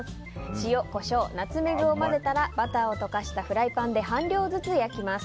塩、コショウナツメグを混ぜたらバターを溶かしたフライパンで半量ずつ焼きます。